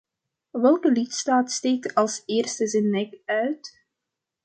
Welke lidstaat steekt als eerste zijn nek uit?